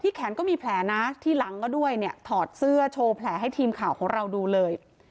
แขนก็มีแผลนะที่หลังก็ด้วยเนี่ยถอดเสื้อโชว์แผลให้ทีมข่าวของเราดูเลย